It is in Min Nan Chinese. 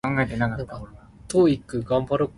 喝水會堅凍